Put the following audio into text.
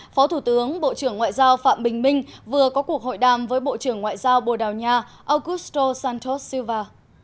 phó thủ tướng bộ trưởng ngoại giao phạm bình minh vừa có cuộc hội đàm với bộ trưởng ngoại giao bồ đào nha ông guso santos silva